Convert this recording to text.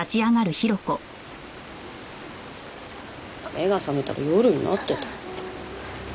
目が覚めたら夜になってた。